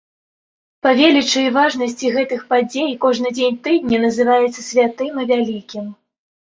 Па велічы і важнасці гэтых падзей кожны дзень тыдня называецца святым і вялікім.